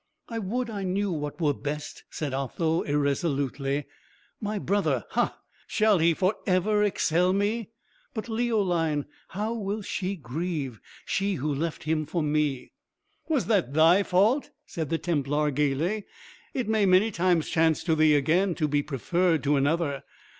"I would I knew what were best," said Otho, irresolutely. "My brother ha, shall he for ever excel me? But Leoline, how will she grieve she who left him for me!" "Was that thy fault?" said the Templar, gaily. "It may many times chance to thee again to be preferred to another.